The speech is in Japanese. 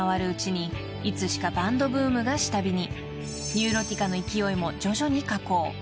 ［ニューロティカの勢いも徐々に下降］